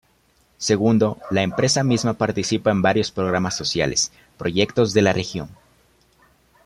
Segundo, la empresa misma participa en varias programas sociales, proyectos de la región.